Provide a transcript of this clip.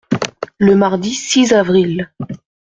Le mardi six avril.